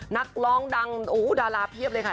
นักร้องดังดาราเพียบเลยค่ะ